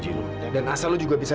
tidak ada kegagalan yang kamu katakan